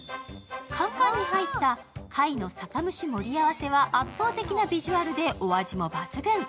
缶々に入った貝の酒蒸し盛り合わせは圧倒的なビジュアルでお味も抜群。